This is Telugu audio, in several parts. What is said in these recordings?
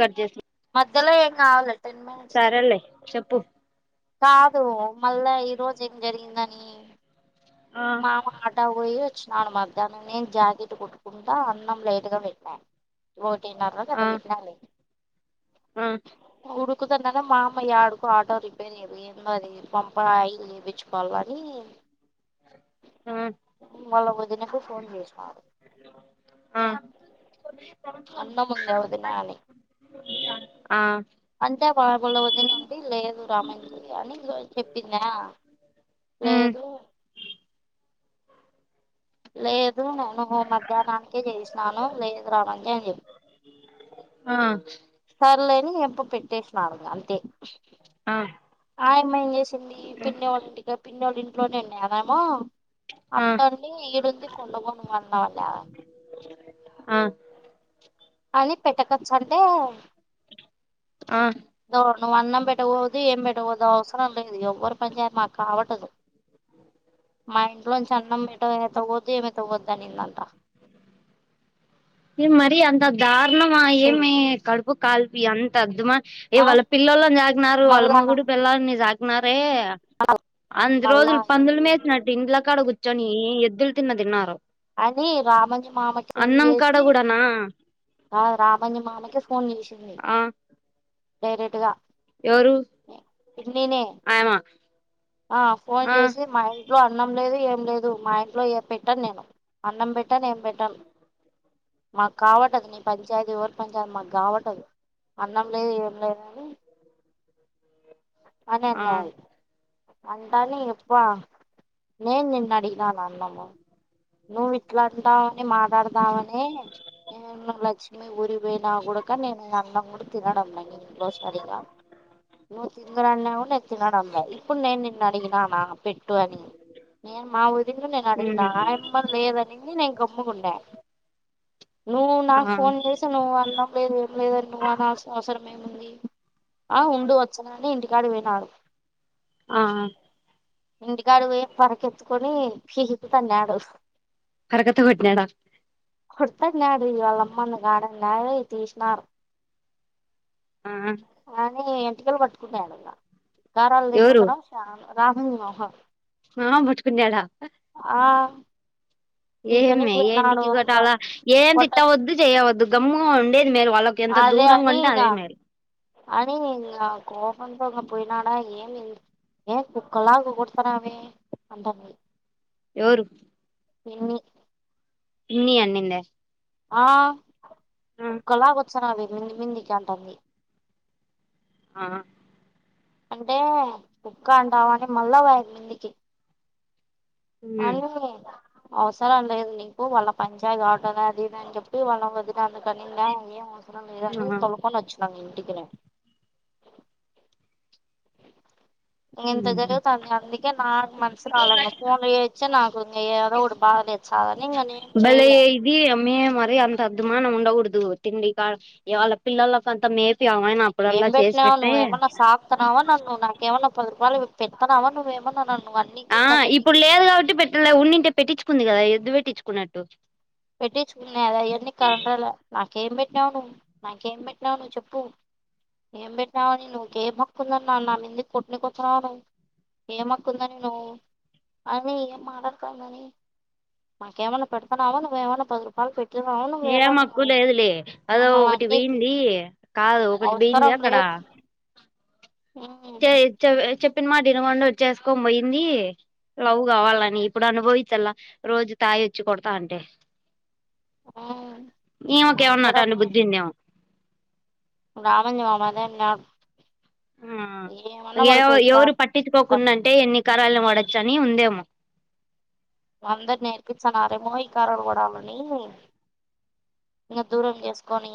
కట్ చేస్తా మధ్యలో ఏం కావాలీ సరేలే చెప్పు కాదు మళ్ళా ఈ రోజు ఏం జరిగిందని ఆ మామ అంటావ్ పోయి వచ్చినాడు మధ్యాహ్నం నేను జాకెట్ కుట్టుకుంటా అన్నం లేట్ గా పెట్టిన ఒకటి నర్రకు ఆ అట్లా పెట్టినాలే ఆ కుదరదు మా అమ్మయి ఆడుకు ఆటో రిపేర్ ఇవు ఏందో అది పంప అ చేపించుకోవాలీ అని ఆ మళ్ళ వదినకు ఫోన్ చేసినడు ఆ అన్నం ఉంద వదిన అని ఆ అంటే బాఒళ్ళ వదిినండి లేదు రామ్య నిజమే చెప్పందా ఉమ్ లేదు లే నేను మధ్యాహ్నానికే చేయిసినాను లేదు రామజ అని చెప్పి ఆ సర్లేని ఎంప్ప పెట్ ఆ [inaudible] మేం చేసి పిన్నోళ్ల ఇంటికి ఇట్నేండి అదేమో ఆ అత్తడి ఈడుంది కొండపోమన్నావాట ఆ అని పెట్టకచ్చు అంటే ఆ నువ్వు అన్నం పెట్టకదు ఏం పెట్టకూదు అవసరం లేదు ఎవ్వరు పని చేయారు మాకు కావట్దు మా ఇంట్లోంచి అన్నం ఎటో ఏతవ్వవద్దు ఏమి తవ్వద్ద అనిందంట దా అన్నామా చూడు ఏమి కడుపు కాల్ అ ఎంత అద్మా ఆ వాళ్ళ పిల్లళని సాాగనారు వాళ్ళ మళ్ళా మగ్గుడు పిల్లలని సాాగనారే అన్ని మళ్ళా రోజులు పందులు ఏంది మేచ్చినట్ంది ఇడ్లకాడ కూర్చొని ఎద్దులు తిన్న తిన్నారు అని రామని మామకి ఫోన్ అన్నం కాడ చేసి కూడానా రామణ్య మామకే ఫోన్ చేసింది ఆ డైరెక్ట్ గా ఎవరు పన్నినే ఆయమ ఆ ఫోన్ ఆ చేసి మా ఇంట్లో అన్నం లేదు ఏం లేదు మా ఇంట్లో ఏ పెట్టాను నేను అన్నం పెట్టాను ఏం పెట్టాను మాకు కావట్ అ నీ పంచాయతీ వరి పంచాయతీ మాకు కావట్దు అన్నం లేదు ఏం లేదు అని ఆ అనన్నాయి అంటాలి ఎప్ప నేను నిన్నడి న అన్నమో నువ్ ఇట్లా అంటావని మాట్లాడదావని నే లక్ష్మి గురి ఇవ నా కూడాక నేను అన్నం కూడా తినడం లే ఇంట్లో సరిగా నువ్వు తిందరన్నా కూడా నేను తినడంలే ఇప్పుడు నేను నిన్ను అడిగిన నా పెట్టు అని నేను మా వఊదిిన నేను అడిగిన ఉమ్ లేదనిది నేను గమ్ముకుండాను నువ్వు ఆ నాకు ఫోన్ చేసి నువ్వు అన్నా లేదు ఏం లేదని నువ్వు అనాల్సిన అవసరం ఏముంది ఆ ఉండు వచ్చనని ఇంటికాడ వినడు ఆ ఇంటికాడు పో పరకెత్తుకొని ఫహత తన్నాడు కరకత్త కొట్నాడ కుడతడు నాడు ఇవాళమంది కాడ లే తీసినారు ఆ అ ఎంటికలు పట్టుకున్నాడు ఇ గారాల ద ముదరం చాల రానుహ ఆ పట్కున్యాడా ఆ పీకనీకి ఏంే ఏంటికి పోయినాడు ఇ గట అంట అాల ఏం కొట్ట తిట్టవద్దు చేయవద్దు గమ్ము ఉం అదే అనికా అనీంగా కో వంటంగ పోయినాడా ఏన్ ఏ కొలాకు కొతుారవే అంట మయి ఎవరు ఇ ీ అన్నింద ఆ కళ కొ అస అవి మంది మందికి అంటుంది ఆ అంటే కుక్క అంటావ అంటని మళ్ళా వదు మందికి అ ఉమ్ అవసరం లేదు నీకు వాళ్ళ పంచాయ కావట అదిదిని చెప్పి వాళ్ళ వదినందుకని ఇం ఏం నరాని ఆ తలకొ వచ్చు నను ఇంటికె ఇ ఇంత ఉమ్ జరుగుతు అంది అందుకే నాకు మనసు రాలే ఫోన్ ఇచ్చే నాకు ఇం ఏదో ఒక బాధలేదు చదని ఇంక నేం చెయలే మనం ఉండకూడదు తిండి కా ఇవాళ పిల్లలలకు అంతా మే ఏం పెట్టి నవవు నువ్ ఏమన్నా సాప్తానవ నన్న్ నాకేమన్ననా పద వాళ్ళ పెాను అవ నువ్వ ఏమన్నా ఆ ఇప్పుడు లేదు కాబట్టి పెట్ట ఉండింటే పెట్టించుకుంది కదా దదు పెట్టించుకున్నట్టు పెట్టించుకున్నాదా ఎవన్ని కారణాల నాకేం పెట్టి ావు నువ్ నాకేం పెట్టినావు నువ్వు చెప్పు ఏం పెట్నావని నువ్కేం హక్కుందని నా మందు కొట్టినికచ్చన్నావ ను ఏం హక్కుందని నువ్వు అని ఏం మాట్డుతుదని నాకేమన్నా పెడతున్నావా నువ్వు ఏవనా పది రపాలు పెట్ ఏ మక్కు లేదులే అదో మమ్మల్ని ఒకటి అన్నికి బీయ్యంది కాదు ఒకటి బీయ్యంది అవసరం అక్కడ లేదు ఉమ్ చె చె చెప్ చెప్పిన మాట వినకుండా చేసుకొని పోయింది. లవ్ కావాలని ఇప్పుడు అనుభవించాల రోజు తాగొచ్చి కొడతా ఉంటే ఉమ్ ఈమెకేమన్న అట్టంటి బుద్ధిందేమో రామాంజీ మామ [inaudible] ఆ ఎవ ఎవరు పట్టించుకోకున్నట్టే ఎన్ని కరలుని వాడ శని ఉందేమో అందరు నేర్పిచ్చన్నారేమో ఇకారాలు పడాలని ఇంకా దూరం చేసుకొని,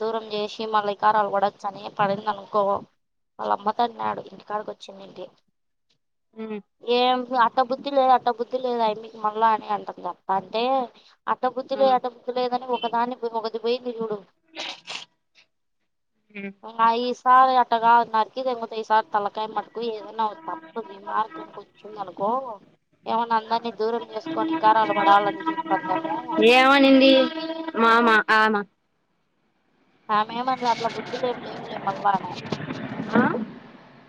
దూరం చేసి మళ్ళీ ఇకారాలు పడచ్చని పడింది అనుకో, వాళ్ళ అమ్మ తగినడు ఇంటికాడికి వచ్చిందింటి ఏం లా ట్ట బుద్ధి లేదు, అట్ట బుద్ధి లేదు ఆయ్మ్మికి మళ్ళ అని అంటాం తప్ప అంటే అట్ట బుద్ధి లేదు, అట్ట బుద్ధి లేదనీ ఒకతి పోయింది ఇప్పుడు ఆయి కాదు అట్టా కాదు నాకి [unintelligible] ఈసారి తలకాయ మట్టుకు ఏదైనా తప్పుంది రిమార్క్ గాని వచ్చింద అనుకో ఏమైనా అందరినీ దూరం చేసుకొని ఇకారాలు పడాలని చూత్తాందేమో ఏమనింది మామ ఆనా ఆమే మాకు అట్ల బుద్ధులు ఏం లేవులే, మల్వానే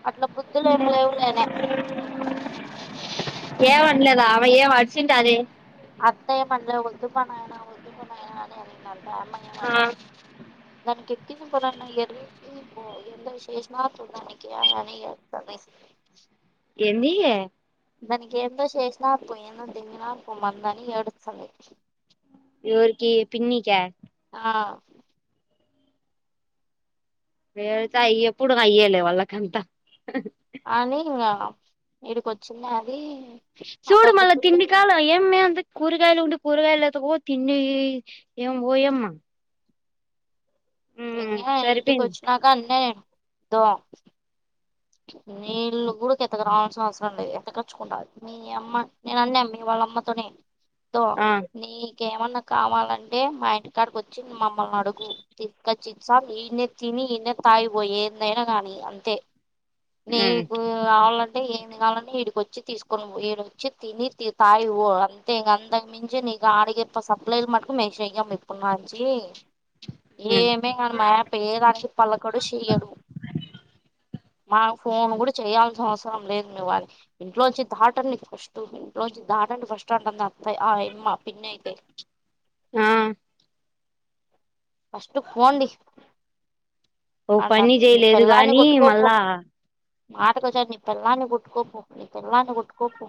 అట్ల బుద్ధులు ఏమి లేవులే అనే ఏమనలేదా ఆమె ఏం అరిచింటాది అత్త ఏమన్లే వద్దుపా నాయన, వద్దుపా నాయనా అని అనిందంట్ దానికి ఎక్కింది [unintelligible] పో ఏందో చేసినారు దానికి [unintelligible] ఎందీ దానికి ఏందో‌ చేసినారు పో ఏందో [unintelligible] ఇప్పుడు మొత్తానికి ఏడుస్తాంది ఎవరికీ పిన్నిక్యా ఆ వీళ్ళతో ఎప్పుడు అయ్యేలే వాళ్లకు అంత అని ఇంకా ఈడికి వచ్చినది చూడు మళ్ళ తిండి కాడ ఏమ్మే అంత కూరగాయలు ఉండి కూరగాయలు ఎత్తుకుపో తిని ఏం ఓయమ్మ ఉమ్ ఇంగా ఇంటికి సరిపోయింది వచ్చినాక అన్నే దో నీళ్ళు కూడా ఎత్తకురావాల్సిన అవసరం లేదు. ఎత్తకచ్చుకుంటది. నీయమ్మ నేనన్నా మీ వాళ్ళ అమ్మతోనే తో ఆ నీ ఇంకేమన్నా కావాలంటే మా ఇంటికాడికి వచ్చి మమ్మల్ని అడుగు తీస్కచ్చిఇచ్చ్చా ఈడ్నే తిని ఈడ్నే తాగి పో ఏందైనా గాని అంతే ఉమ్ నీకు కావాలంటే ఏమి కావాలన్నా ఈడికొచ్చి తీసుకొని పో ఈడొచ్చితిని తాగిపో అంతే ఉమ్ ఏమే కానీ మాయప్ప ఏదానికి పలకడు, సెయ్యడు మా ఫోన్ కూడా చేయాల్సిన అవసరం లేదు మీ వాళ్ళకి ఇంట్లో నుంచి దాటండి ఫస్ట్ ఇంట్లో నుంచి దాటండి ఫస్ట్ అంటంది ఆప్ ఆయమ్మ పిన్ని ఐతే ఆ ఫస్ట్ పోండి ఓ పని అంటంది చేయలేదు గానీ మళ్ళా మాటకొచ్చాక నీ పెళ్ళాన్ని కొట్టుకోపో నీ పెళ్ళాన్ని కొట్టుకోపో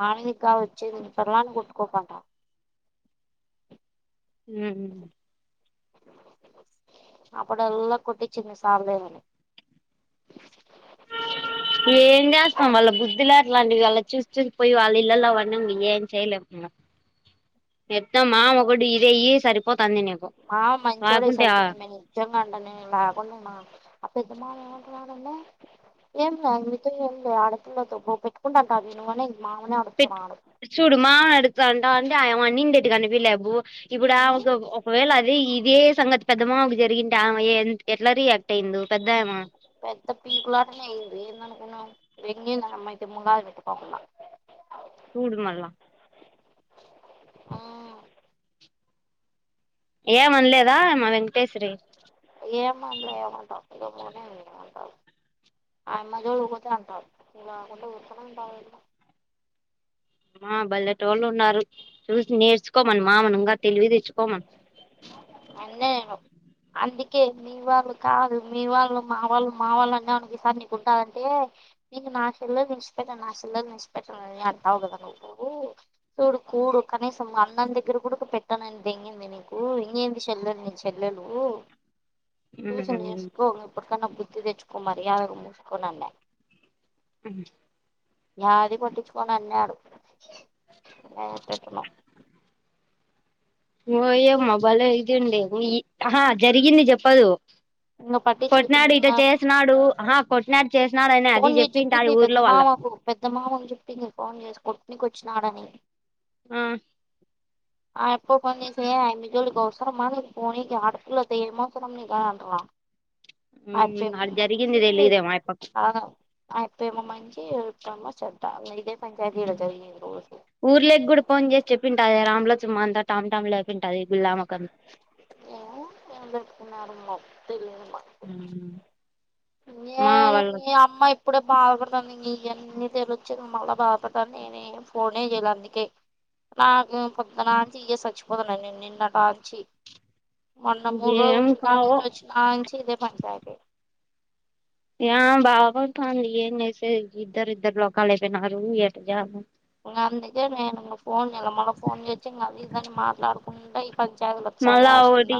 మామీదకి కాదు వచ్చేది నీ పెళ్ళాన్ని కొట్టుకోపో అంట హ్మ్ అప్పుడు ఎల్ల కొట్టించింది సలదేమో ఏంచేస్తాం వాళ్ళ బుద్ధులేఅట్లాంటివి వాళ్ళ చూసి చూసి పోయి వాళ్ళ ఇళ్లల్ల పడ్డాం ఇగేమ్ చేయలేం ఇంగ ఎట్టో మా మామ మంచోడే లేకుంటే ఆ సరిపోయింది మే నిజంగా అంటనే లేకుంటే నా అ పె ఏంలే మీతో ఏంలే ఆడపిల్లతో పో పెట్టుకుంటావంటే నువ్వు అనే పెట్ చుడుమామ అడితంటే అంటే ఆమె అనింది కనిపియ్యాలె బు ఇప్పుడు ఆ నాడు ఒకవేళ అదే ఇదే సంగతి పెద్ద మామకి జరిగింటే ఆమె ఎట్లా రియాక్ట్ అయిందో పెద్దమే కున్నావ్ ఎంగింది ఆ అమ్మాయితే మొలాబ్ పెట్టుకోకుండ చూడు మళ్ల ఆ ఏమండ్లదా మా వెంకటేశ్వరి మన్లే ఏమంటావ్ [unintelligible] ఆ యమ్మ జోలికి పోతేనే అంత ఊరికనేఉంటారు ఆ బల్లెటోళ్ళు ఉన్నారు చూసి నేర్చుకోమను మామను ఇంగా తెలివి తెచ్ అండ్ల నిను అందుకే మీ వాళ్ళు కాదు మీ వాళ్ళు మా వాళ్ళు మా వాళ్ళు అన్నావ్అనుకో ఈసారి నీకుంటది అంటే నీకు నా చెల్లెల్ నిలిచిపెట్టాను నా చెల్లె నిడిచిపెట్టాను అని అంటావ్ కదా నువ్వు చూడు కూడు కనీసం అన్నం దగ్గర కూడా పెట్టానని దెంగిం ది నీకు ఇంకేంది చెల్లెలు ని చెల్లెలు ట్యూషన్ నేర్చుకో ఇప్పుడి కన్న బు కు తెచ్చుకో మర్యాదగ మూసుకొండన్న హు య్యాది పట్టించుకొనన్నాడు క తిట్టను ఇంగో ఇయ్యే మా బలే ఇదింది ఆహ జరిగింది చెప్పదు ఇంగ పట్టించు కొట్టినాడు ఇట్ట ఇంగ చేసినడు అహ కొట్నా ఫోన్ చేసి చెప్పింది పెద్ద మావకు పెద్ద మావకు చెప్పింది ఫోన్ చేసి కొ ట్నీకి వచ్చినాడని ఆ ఆ యప్పకు ఫోన్ చేసి ఆయమ్మీ జోలికి అవసరమా మీరు పోనీకి ఆడపిల్లతో ఏం అవసరం నీకు అంట హు అడ జరిగిందిది తెలిదే ఆయప్పకు అ యప్పేమో మంచి ఇ యప్పేమో చెడ్డ ఇదే పంచాయతీ ఈడ జరిగేది రోజు ఊర్ లేకి కూడా ఫోన్ చేసి చెప్పింట అదే రామ్ల సుమ్మ అంతా టామ్ టామ్ లే వింటది గుల్లామొకం ఏ ఎంతకున్నార్మ తెలి మా నేను వాళ్ ఈ అమ్మ ఇప్పుడే బాధపడుతుంది ఇ అన్నీ తెలిచ్చి మళ్ళీ బాధపడతను నేనేం ఫోనే చేయ్యలే అందుకే నాకేం పొద్దునంచి ఇయే చచ్చిపోతున నేను నిన్నటంచి మొన్న మూడు రోజు ఏం ఊరిగా పావో నుంచి వచ్చిన నుంచి ఇదే పంచాయతీ వాపు పంది ఇద్దరు ఇద్దరు లోకలయిపోయినారు ఏంజేయలో ఇంకా అందుకే నేను ఇ ఫోన్ నిల మళ ఫోన్ చేచ్చి ఇంకా అది ఇదిని మాట్లాడుకుంటడా పంచాయత బసాయి మళ్ళా ఆషంద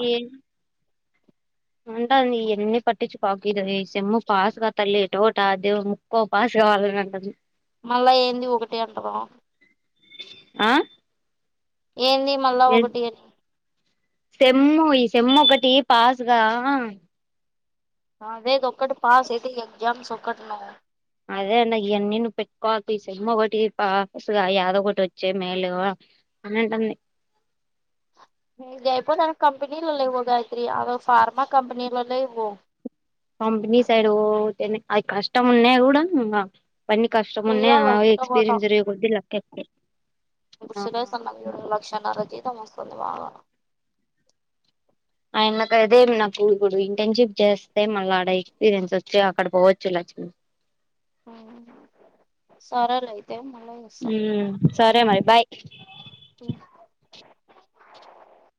ఉంటా ఎన్న పట్టి చు పగద చెమ్ము పాస్గాల్లి తోట అది ముకు పాసక వాళ్ళంటదు మళ్ళా ఏంది ఒకటి అంటుదాం ఆ ఏంది మళ్ళా ఒకటి అని సమ్ము ఈ సమ్ము ఒకటి పాస్గా రే చ ఒకక్కటి పాస్ ఇయి ఎగ్జామ్స్ ఒకక్కటి న అదే అండి ఇవన్నీ నువ్వు పెట్టుకోి ఈ సినిమ ఒకటి పాగా యాదో ఒకటి వచ్చే మేలుగా అనింటంది న అయిపోదనికి కంపెనీలో లే ఇవ గాయత్రి అద ఫార్మా కంపెనీలో లేవు పంబని సైడ్ అది కష్టం ఉన్నా కూడా పని కష్టమున్ననే చెయ్యాల ఎక్స్పీరియన్స్ జరగకదు చెప్ప క్షణ రజత పవా న్షిప్ చేస్తే మళ్ళీ ఆడ ఎక్స్పీరియన్స్ వచ్చి అక్కడ పోవచ్చు లమి సారా లేై సరే మరి బాయ్